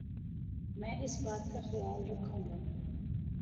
میں اس بات کا خیال رکھوں گا ـ